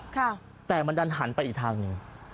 ค่ะแต่มันดันหันไปอีกทางหนึ่ง